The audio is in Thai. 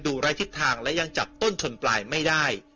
ไร้ทิศทางและยังจับต้นชนปลายไม่ได้